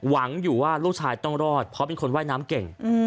หวังอยู่ว่าลูกชายต้องรอดเพราะเป็นคนว่ายน้ำเก่ง